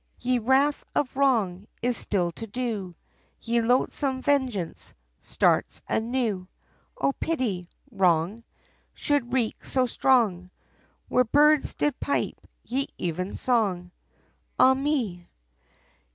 YE wrath of wrong, is still to do, Ye loathsome vengeance, starts anew, O pity! wrong, Should wreak so strong, Where birds, did pipe ye evensong, Ah! me. [Illustration: Ye Nervous Fytte.